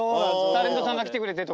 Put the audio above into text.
タレントさんが来てくれてとか。